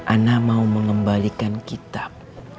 ana mau mengembalikan kitab